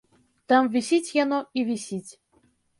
Там вісіць яно і вісіць.